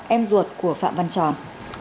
em ruột của phạm văn tròn